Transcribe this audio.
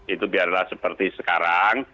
itu biarlah seperti sekarang